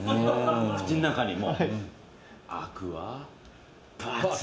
口の中に、もうアクアパッツァ。